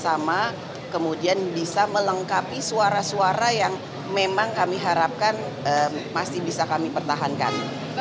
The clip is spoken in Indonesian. jadi misi yang sama kemudian bisa melengkapi suara suara yang memang kami harapkan masih bisa kami pertahankan